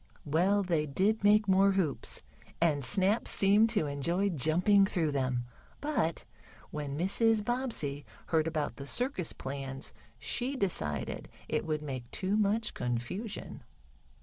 Well, they did make more hoops, and Snap seemed to enjoy jumping through them. But when Mrs. Bobbsey heard about the circus plans she decided it would make too much confusion.